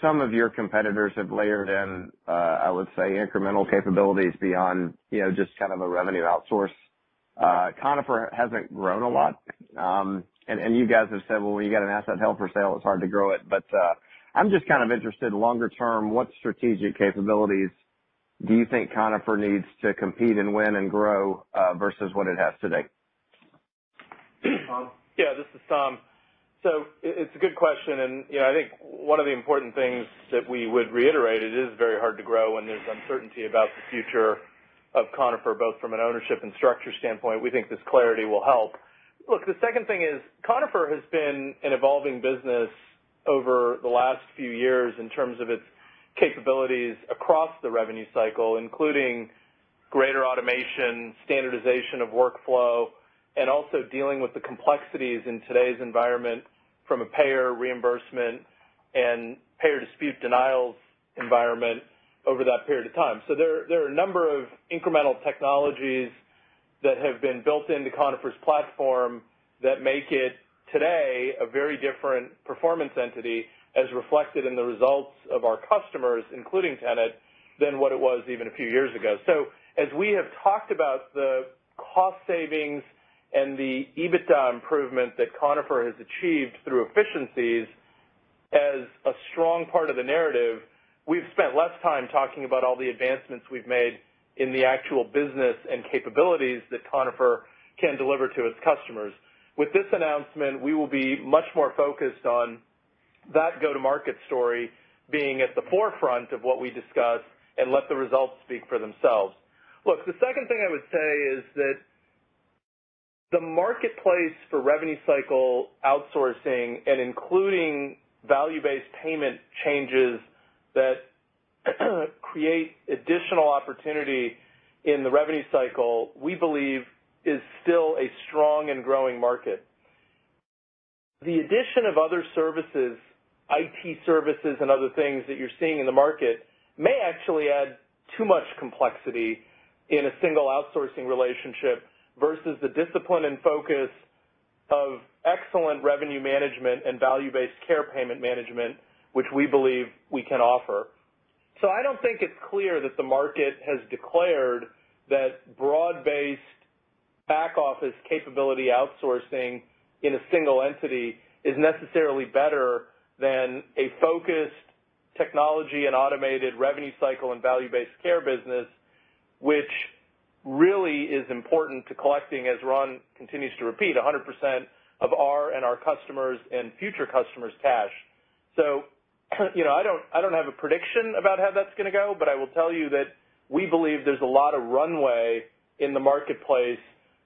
some of your competitors have layered in, I would say, incremental capabilities beyond just kind of a revenue outsource. Conifer hasn't grown a lot. You guys have said, "Well, when you've got an asset held for sale, it's hard to grow it." I'm just kind of interested longer term, what strategic capabilities do you think Conifer needs to compete and win and grow versus what it has today? Tom? This is Tom. It's a good question, and I think one of the important things that we would reiterate, it is very hard to grow when there's uncertainty about the future of Conifer, both from an ownership and structure standpoint. We think this clarity will help. Look, the second thing is, Conifer has been an evolving business over the last few years in terms of its capabilities across the revenue cycle, including greater automation, standardization of workflow, and also dealing with the complexities in today's environment from a payer reimbursement and payer dispute denials environment over that period of time. There are a number of incremental technologies that have been built into Conifer's platform that make it, today, a very different performance entity, as reflected in the results of our customers, including Tenet, than what it was even a few years ago. As we have talked about the cost savings and the EBITDA improvement that Conifer has achieved through efficiencies as a strong part of the narrative, we've spent less time talking about all the advancements we've made in the actual business and capabilities that Conifer can deliver to its customers. With this announcement, we will be much more focused on that go-to-market story being at the forefront of what we discuss and let the results speak for themselves. Look, the second thing I would say is that the marketplace for revenue cycle outsourcing and including value-based payment changes that create additional opportunity in the revenue cycle, we believe is still a strong and growing market. The addition of other services, IT services and other things that you're seeing in the market may actually add too much complexity in a single outsourcing relationship versus the discipline and focus of excellent revenue management and value-based care payment management, which we believe we can offer. I don't think it's clear that the market has declared that broad-based back-office capability outsourcing in a single entity is necessarily better than a focused technology and automated revenue cycle and value-based care business, which really is important to collecting, as Ron continues to repeat, 100% of our and our customers' and future customers' cash. I don't have a prediction about how that's going to go, but I will tell you that we believe there's a lot of runway in the marketplace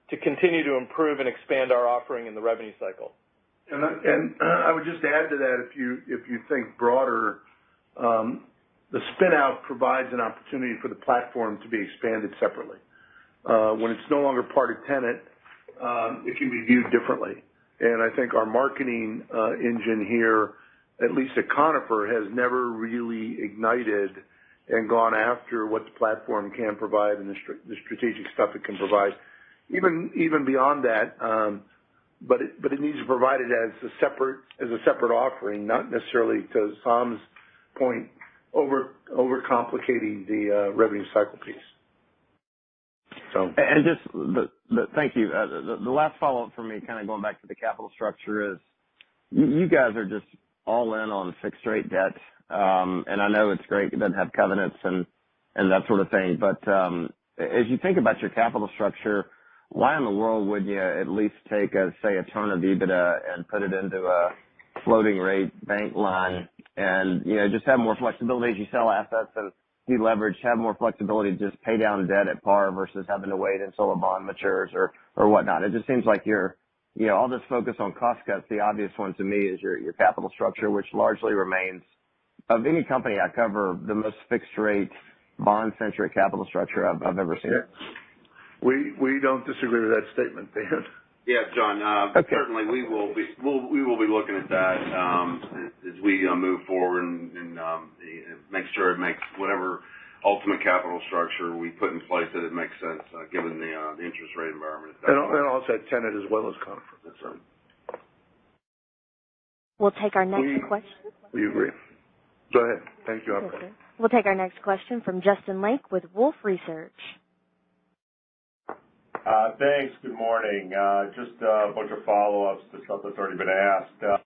to continue to improve and expand our offering in the revenue cycle. I would just add to that, if you think broader, the spin-out provides an opportunity for the platform to be expanded separately. When it's no longer part of Tenet, it can be viewed differently. I think our marketing engine here, at least at Conifer, has never really ignited and gone after what the platform can provide and the strategic stuff it can provide, even beyond that, but it needs to provide it as a separate offering, not necessarily, to Tom's point, overcomplicating the revenue cycle piece. Thank you. The last follow-up from me, kind of going back to the capital structure is, you guys are just all-in on fixed rate debt. I know it's great, you don't have covenants and that sort of thing. As you think about your capital structure, why in the world wouldn't you at least take, say, a ton of EBITDA and put it into a floating rate bank line and just have more flexibility as you sell assets and de-leverage, have more flexibility to just pay down debt at par versus having to wait until a bond matures or whatnot? It just seems like all this focus on cost cuts, the obvious one to me is your capital structure, which largely remains, of any company I cover, the most fixed rate, bond-centric capital structure I've ever seen. Yeah. We don't disagree with that statement, Dan. Yeah, John. Okay. Certainly, we will be looking at that as we move forward and make sure it makes whatever ultimate capital structure we put in place, that it makes sense given the interest rate environment at that point. Also at Tenet as well as Conifer. That's right. We'll take our next question. We agree. Go ahead. Thank you. Okay. We'll take our next question from Justin Lake with Wolfe Research. Thanks. Good morning. Just a bunch of follow-ups to stuff that's already been asked.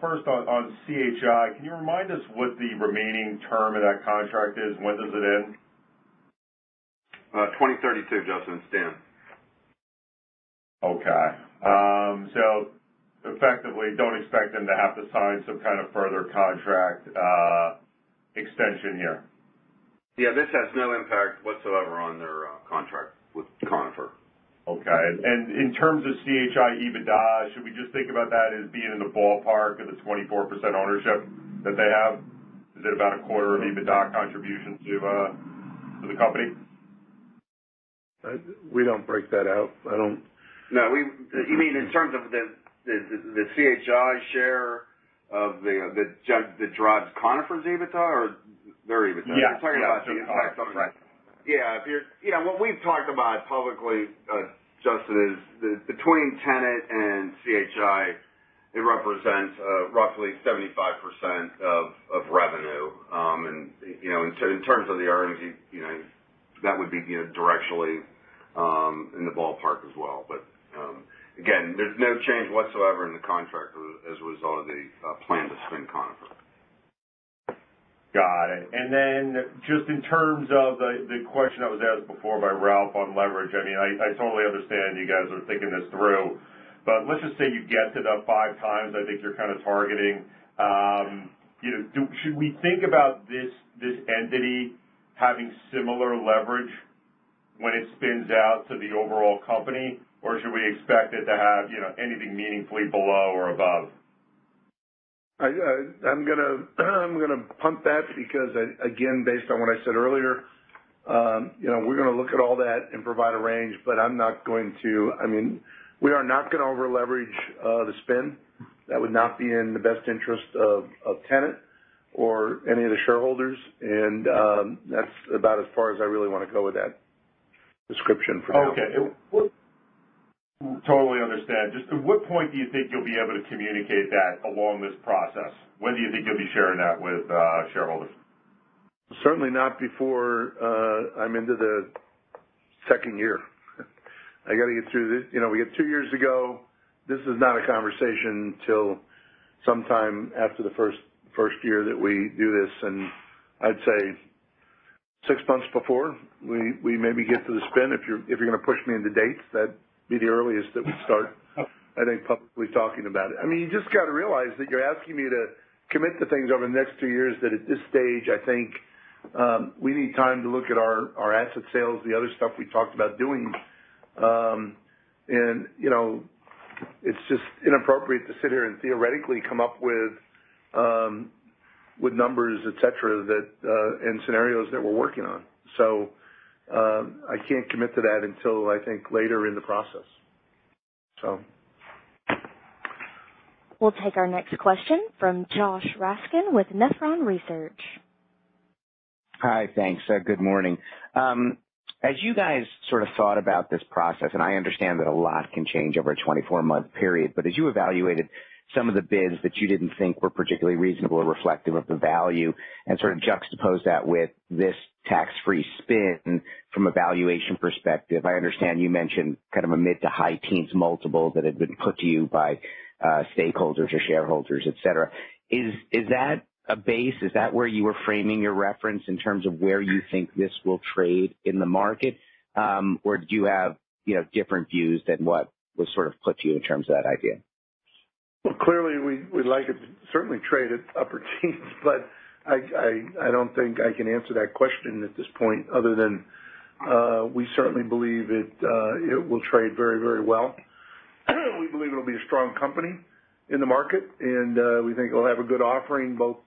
First, on CHI, can you remind us what the remaining term of that contract is? When does it end? 2032, Justin. Stan? Okay. Effectively, don't expect them to have to sign some kind of further contract extension here. Yeah, this has no impact whatsoever on their contract with Conifer. Okay. In terms of CHI EBITDA, should we just think about that as being in the ballpark of the 24% ownership that they have? Is it about a quarter of EBITDA contribution to the company? We don't break that out. No. You mean, in terms of the CHI share that drives Conifer's EBITDA or their EBITDA? Yeah. You're talking about CHI. Correct. Yeah. What we've talked about publicly, Justin, is between Tenet and CHI, it represents roughly 75% of revenue. In terms of the RMG, that would be directionally in the ballpark as well. Again, there's no change whatsoever in the contract as a result of the plan to spin Conifer. Got it. Just in terms of the question that was asked before by Ralph on leverage, I totally understand you guys are thinking this through, but let's just say you get to that five times I think you're targeting. Should we think about this entity having similar leverage when it spins out to the overall company? Or should we expect it to have anything meaningfully below or above? I'm going to pump that because, again, based on what I said earlier, we're going to look at all that and provide a range. We are not going to over-leverage the spin. That would not be in the best interest of Tenet or any of the shareholders. That's about as far as I really want to go with that description for now. Okay. Totally understand. Just at what point do you think you'll be able to communicate that along this process? When do you think you'll be sharing that with shareholders? Certainly not before I'm into the second year. We got 2 years to go. This is not a conversation till sometime after the first year that we do this, and I'd say 6 months before we maybe get to the spin, if you're going to push me into dates, that'd be the earliest that we start, I think, publicly talking about it. You just got to realize that you're asking me to commit to things over the next 2 years that at this stage, I think, we need time to look at our asset sales, the other stuff we talked about doing. It's just inappropriate to sit here and theoretically come up with numbers, et cetera, and scenarios that we're working on. I can't commit to that until I think later in the process, so We'll take our next question from Josh Raskin with Nephron Research. Hi, thanks. Good morning. As you guys sort of thought about this process, and I understand that a lot can change over a 24-month period, but as you evaluated some of the bids that you didn't think were particularly reasonable or reflective of the value, and sort of juxtaposed that with this tax-free spin from a valuation perspective, I understand you mentioned kind of a mid to high teens multiple that had been put to you by stakeholders or shareholders, et cetera. Is that a base? Is that where you were framing your reference in terms of where you think this will trade in the market? Do you have different views than what was sort of put to you in terms of that idea? Clearly, we'd like it to certainly trade at upper teens, but I don't think I can answer that question at this point other than, we certainly believe it will trade very well. We believe it'll be a strong company in the market, and we think it'll have a good offering, both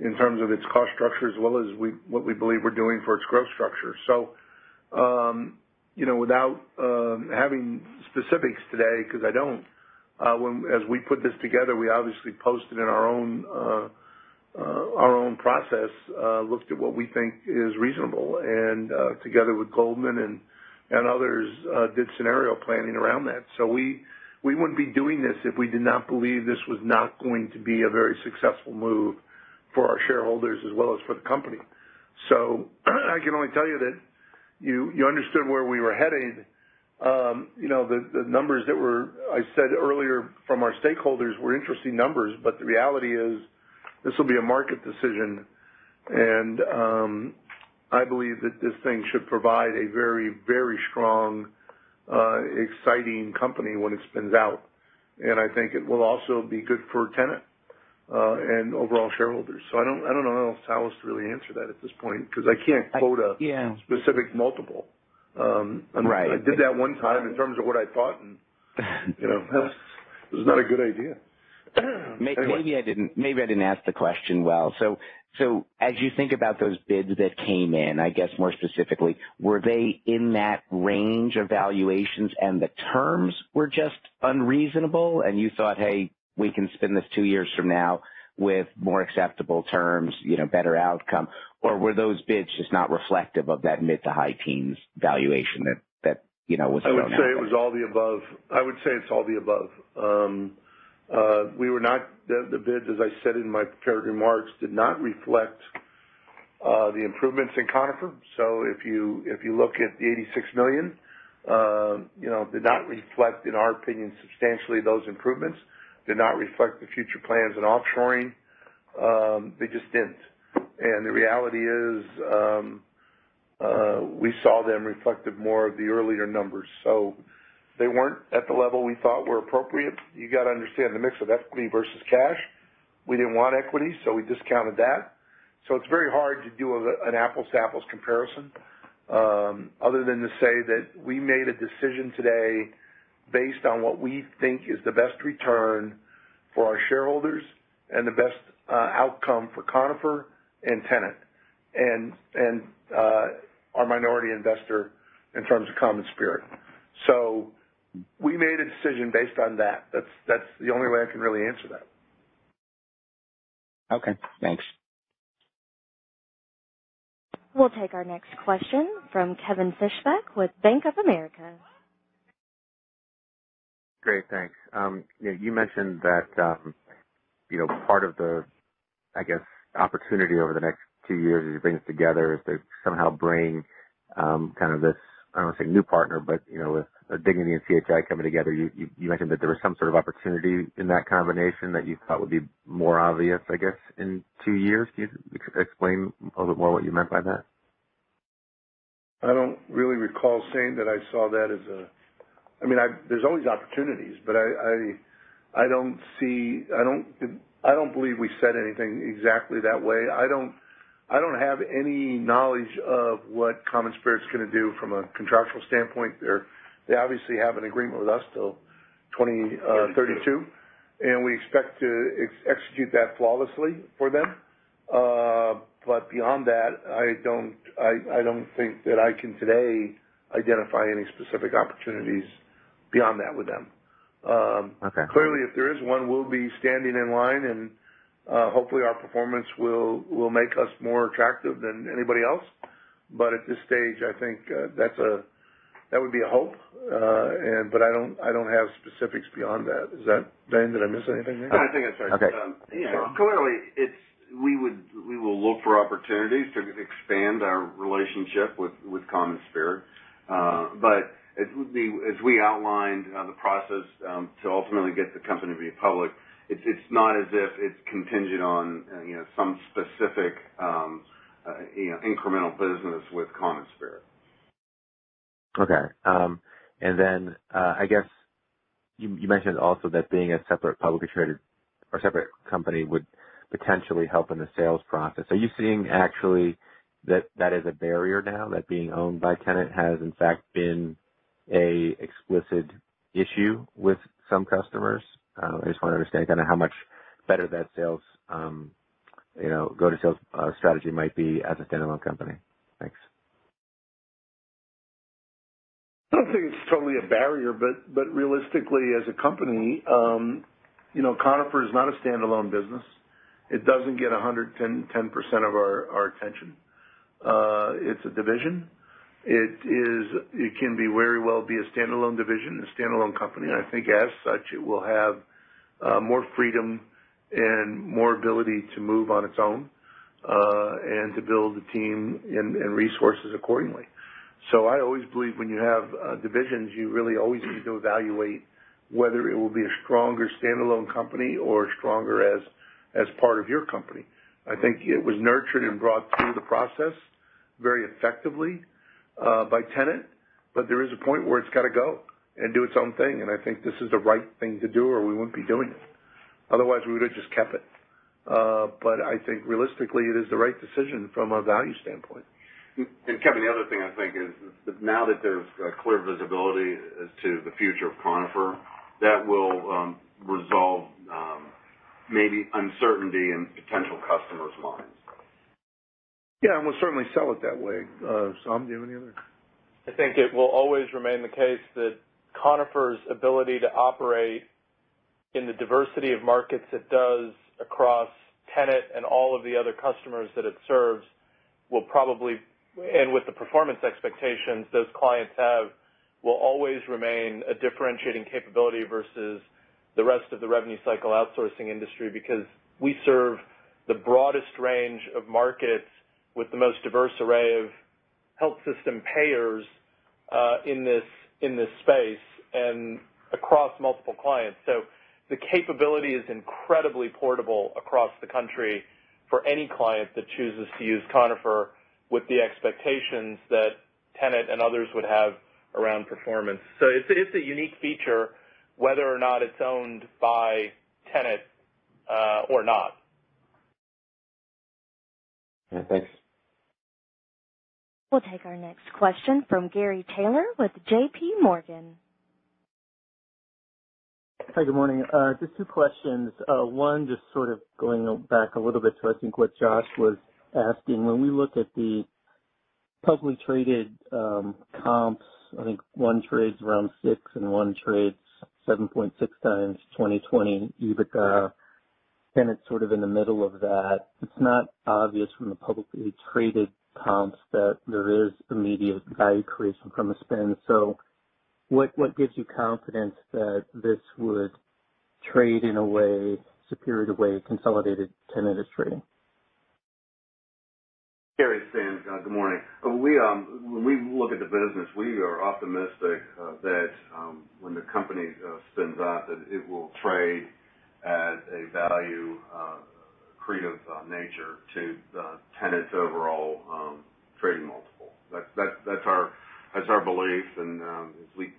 in terms of its cost structure as well as what we believe we're doing for its growth structure. Without having specifics today, because I don't, as we put this together, we obviously posted in our own process, looked at what we think is reasonable, and together with Goldman and others, did scenario planning around that. We wouldn't be doing this if we did not believe this was not going to be a very successful move for our shareholders as well as for the company. I can only tell you that you understood where we were headed. The numbers that I said earlier from our stakeholders were interesting numbers, the reality is this will be a market decision, and I believe that this thing should provide a very strong, exciting company when it spins out. I think it will also be good for Tenet, and overall shareholders. I don't know how else to really answer that at this point, because I can't quote. Yeah specific multiple. Right. I did that one time in terms of what I thought. It was not a good idea. Maybe I didn't ask the question well. As you think about those bids that came in, I guess more specifically, were they in that range of valuations and the terms were just unreasonable and you thought, "Hey, we can spin this two years from now with more acceptable terms, better outcome?" Or were those bids just not reflective of that mid to high teens valuation that was thrown out there? I would say it's all the above. The bids, as I said in my prepared remarks, did not reflect the improvements in Conifer. If you look at the $86 million, did not reflect, in our opinion, substantially those improvements. Did not reflect the future plans in offshoring. They just didn't. The reality is, we saw them reflected more of the earlier numbers. They weren't at the level we thought were appropriate. You got to understand the mix of equity versus cash. We didn't want equity, so we discounted that. It's very hard to do an apples to apples comparison, other than to say that we made a decision today based on what we think is the best return for our shareholders and the best outcome for Conifer and Tenet and our minority investor in terms of CommonSpirit. We made a decision based on that. That's the only way I can really answer that. Okay, thanks. We'll take our next question from Kevin Fischbeck with Bank of America. Great, thanks. You mentioned that part of the, I guess, opportunity over the next two years as you bring this together is to somehow bring kind of this, I don't want to say new partner, but with Dignity and CHI coming together, you mentioned that there was some sort of opportunity in that combination that you thought would be more obvious, I guess, in two years. Can you explain a little bit more what you meant by that? I don't really recall saying that. There's always opportunities, but I don't believe we said anything exactly that way. I don't have any knowledge of what CommonSpirit's going to do from a contractual standpoint there. They obviously have an agreement with us till 2032. 32. We expect to execute that flawlessly for them. Beyond that, I don't think that I can today identify any specific opportunities beyond that with them. Okay. Clearly, if there is one, we'll be standing in line, and hopefully our performance will make us more attractive than anybody else. At this stage, I think that would be a hope. I don't have specifics beyond that. Is that, Ben, did I miss anything there? No, I think that's right. Okay. Clearly, we will look for opportunities to expand our relationship with CommonSpirit. As we outlined the process to ultimately get the company to be public, it's not as if it's contingent on some specific incremental business with CommonSpirit. Okay. I guess you mentioned also that being a separate publicly traded or separate company would potentially help in the sales process. Are you seeing actually that is a barrier now, that being owned by Tenet has in fact been an explicit issue with some customers? I just want to understand how much better that go-to sales strategy might be as a standalone company. Thanks. I don't think it's totally a barrier. Realistically, as a company, Conifer is not a standalone business. It doesn't get 110% of our attention. It's a division. It can very well be a standalone division, a standalone company. I think as such, it will have more freedom and more ability to move on its own, and to build the team and resources accordingly. I always believe when you have divisions, you really always need to evaluate whether it will be a stronger standalone company or stronger as part of your company. I think it was nurtured and brought through the process very effectively by Tenet, but there is a point where it's got to go and do its own thing, and I think this is the right thing to do, or we wouldn't be doing it. Otherwise, we would've just kept it. I think realistically, it is the right decision from a value standpoint. Kevin, the other thing I think is, now that there's clear visibility as to the future of Conifer, that will resolve maybe uncertainty in potential customers' minds. Yeah, we'll certainly sell it that way. Som, do you have any other? I think it will always remain the case that Conifer's ability to operate in the diversity of markets it does across Tenet and all of the other customers that it serves will probably, and with the performance expectations those clients have, will always remain a differentiating capability versus the rest of the revenue cycle outsourcing industry, because we serve the broadest range of markets with the most diverse array of health system payers in this space and across multiple clients. The capability is incredibly portable across the country for any client that chooses to use Conifer with the expectations that Tenet and others would have around performance. It's a unique feature whether or not it's owned by Tenet or not. Yeah, thanks. We'll take our next question from Gary with JP Morgan. Hi, good morning. Just two questions. One, just sort of going back a little bit to, I think, what Josh was asking. When we look at the publicly traded comps, I think one trades around six and one trades 7.6 times 2020 EBITDA. Tenet's sort of in the middle of that. It's not obvious from the publicly traded comps that there is immediate value creation from a spin. What gives you confidence that this would trade in a way, superior to the way consolidated Tenet is trading? Gary, it's Dan. Good morning. When we look at the business, we are optimistic that when the company spins out, that it will trade at a value accretive nature to Tenet's overall trading multiple. That's our belief. As we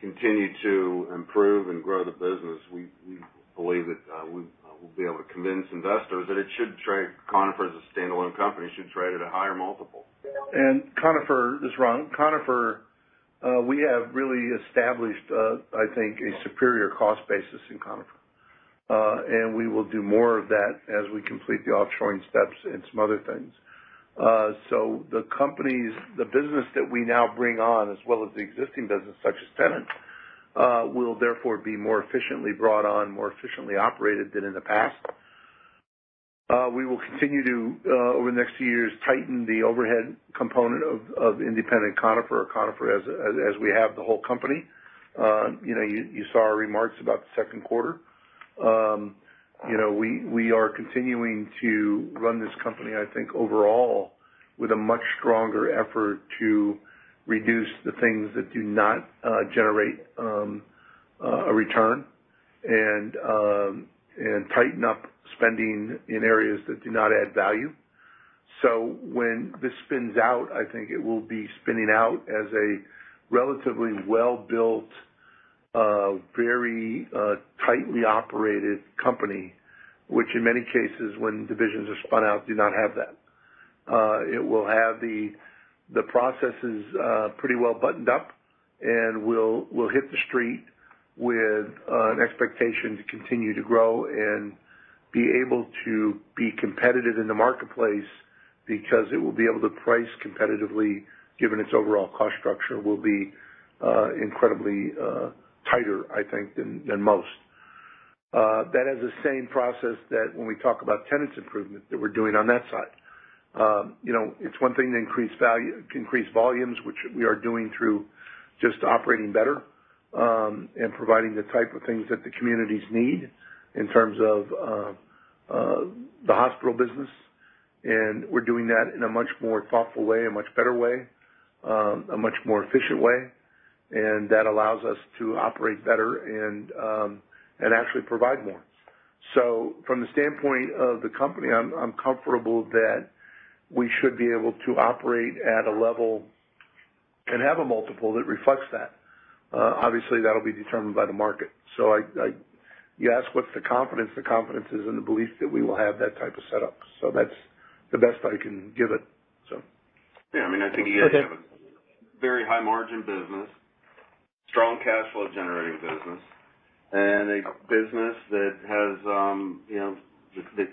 continue to improve and grow the business, we believe that we'll be able to convince investors that Conifer, as a standalone company, should trade at a higher multiple. Conifer. This is Ron. Conifer, we have really established, I think, a superior cost basis in Conifer. We will do more of that as we complete the offshoring steps and some other things. The business that we now bring on, as well as the existing business, such as Tenet, will therefore be more efficiently brought on, more efficiently operated than in the past. We will continue to, over the next few years, tighten the overhead component of independent Conifer or Conifer as we have the whole company. You saw our remarks about the second quarter. We are continuing to run this company, I think, overall, with a much stronger effort to reduce the things that do not generate a return and tighten up spending in areas that do not add value. When this spins out, I think it will be spinning out as a relatively well-built, very tightly operated company, which in many cases, when divisions are spun out, do not have that. It will have the processes pretty well buttoned up, and we'll hit the street with an expectation to continue to grow and be able to be competitive in the marketplace because it will be able to price competitively, given its overall cost structure will be incredibly tighter, I think, than most. That has the same process that when we talk about Tenet's improvement that we're doing on that side. It's one thing to increase volumes, which we are doing through just operating better, and providing the type of things that the communities need in terms of the hospital business. We're doing that in a much more thoughtful way, a much better way, a much more efficient way. That allows us to operate better and actually provide more. From the standpoint of the company, I'm comfortable that we should be able to operate at a level and have a multiple that reflects that. Obviously, that'll be determined by the market. You ask what's the confidence? The confidence is in the belief that we will have that type of setup. That's the best I can give it. Yeah, I think you guys have a very high margin business, strong cash flow generating business, and a business that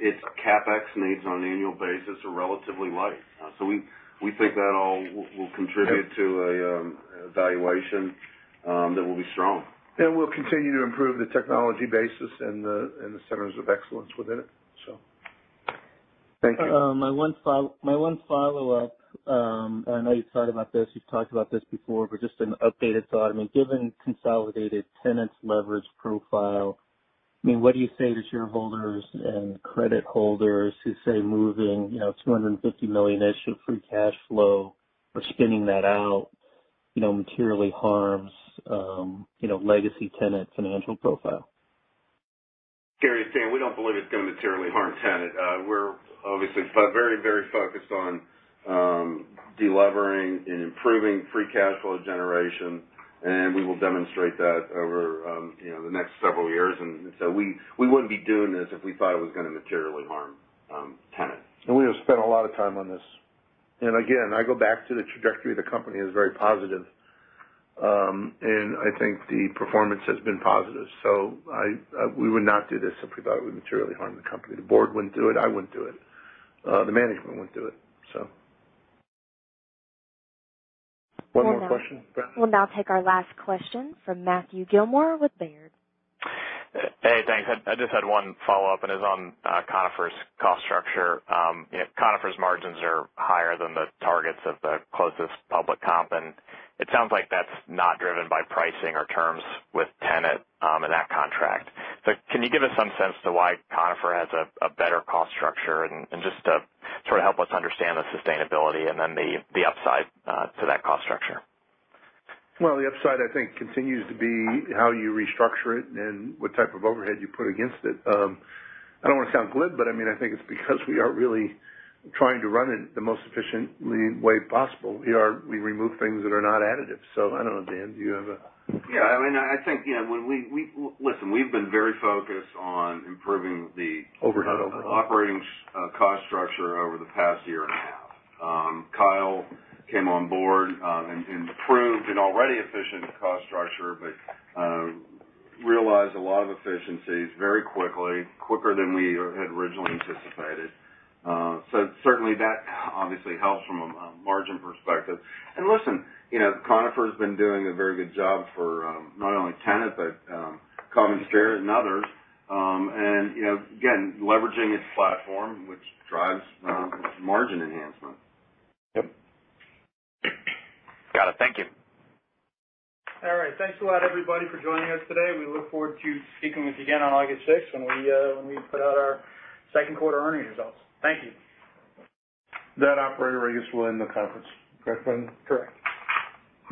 its CapEx needs on an annual basis are relatively light. We think that all will contribute to a valuation that will be strong. We'll continue to improve the technology basis and the centers of excellence within it. Thank you. My one follow-up, I know you've thought about this, you've talked about this before, but just an updated thought. Given consolidated Tenet's leverage profile, what do you say to shareholders and credit holders who say moving $250 million issue free cash flow or spinning that out materially harms legacy Tenet's financial profile? Gary, it's Dan. We don't believe it's going to materially harm Tenet. We're obviously very focused on de-levering and improving free cash flow generation, and we will demonstrate that over the next several years. We wouldn't be doing this if we thought it was going to materially harm Tenet. We have spent a lot of time on this. Again, I go back to the trajectory of the company is very positive. I think the performance has been positive. We would not do this if we thought it would materially harm the company. The board wouldn't do it. I wouldn't do it. The management wouldn't do it. One more question, Beth? We'll now take our last question from Matthew Gillmor with Baird. Hey, thanks. I just had one follow-up, and it was on Conifer's cost structure. Conifer's margins are higher than the targets of the closest public comp, and it sounds like that's not driven by pricing or terms with Tenet in that contract. Can you give us some sense to why Conifer has a better cost structure, and just to help us understand the sustainability and then the upside to that cost structure? The upside, I think, continues to be how you restructure it and what type of overhead you put against it. I don't want to sound glib, but I think it's because we are really trying to run it the most efficiently way possible. We remove things that are not additive. I don't know, Dan, do you have a? Yeah, I think, listen, we've been very focused on improving. Overhead operating cost structure over the past year and a half. Kyle came on board and improved an already efficient cost structure, but realized a lot of efficiencies very quickly, quicker than we had originally anticipated. Certainly that obviously helps from a margin perspective. Listen, Conifer's been doing a very good job for not only Tenet, but CommonSpirit and others. Again, leveraging its platform, which drives margin enhancement. Yep. Got it. Thank you. All right. Thanks a lot, everybody, for joining us today. We look forward to speaking with you again on August 6th when we put out our second quarter earnings results. Thank you. That operator, I guess, will end the conference. Correct, Glenn? Correct.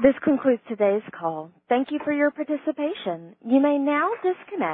This concludes today's call. Thank you for your participation. You may now disconnect.